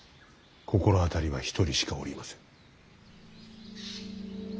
心当たりは一人しかおりませぬ。